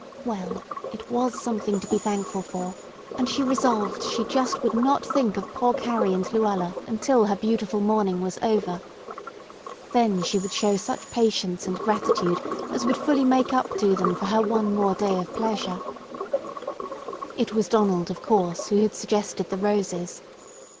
Well, it was something to be thankful for, and she resolved she just would not think of poor Carrie and Luella until her beautiful morning was over. Then she would show such patience and gratitude as would fully make up to them for her one more day of pleasure. It was Donald, of course, who had suggested the roses.